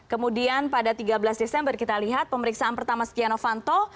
kemudian pada tiga belas desember kita lihat pemeriksaan pertama setia novanto